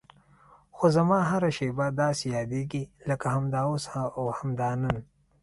خو زما هره شېبه داسې یادېږي لکه همدا اوس او همدا نن.